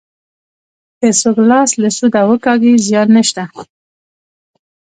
که څوک لاس له سوده وکاږي زیان نشته.